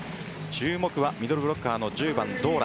注目はミドルブロッカーの１０番ドーラ。